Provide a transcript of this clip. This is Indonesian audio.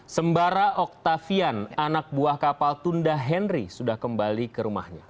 sembara octavian anak buah kapal tunda henry sudah kembali ke rumahnya